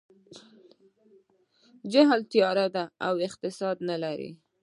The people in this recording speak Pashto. جهل تیاره ده او اقتصاد نه لري.